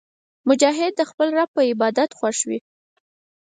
مجاهد د خپل رب په عبادت خوښ وي.